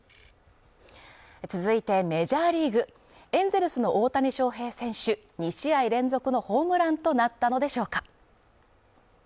続いてメジャーリーグエンゼルスの大谷翔平選手２試合連続のホームランとなったのでしょうか？